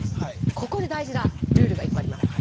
ここで大事なルールが１個あります。